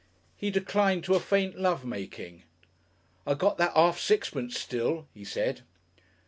He declined to a faint love making. "I got that 'arf sixpence still," he said.